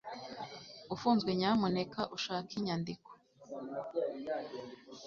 Ufunzwe nyamuneka ushake inyandiko